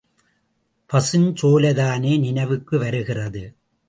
பசுஞ்சோலைதானே நினைவுக்கு வருகிறது.